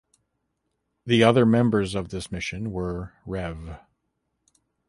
The other members of this mission were Rev.